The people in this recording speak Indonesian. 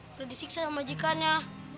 sudah disiksa oleh majikannya